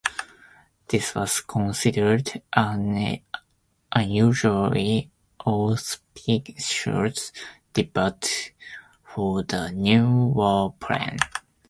This was considered an unusually auspicious debut for the new warplane.